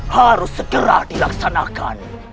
harus segera dilaksanakan